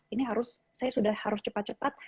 ini harus saya sudah harus cepat cepat